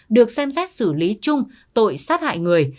được xem xét xử lý chung tội sát hại người